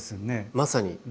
まさに。